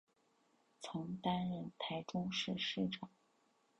曾担任台中市市长。